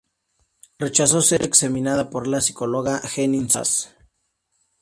Rechazó ser examinada por la psicóloga Henning Sass.